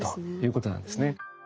そうなんですね。